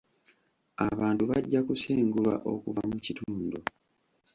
Abantu bajja kusengulwa okuva mu kitundu.